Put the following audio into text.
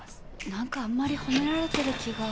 何かあんまり褒められてる気が。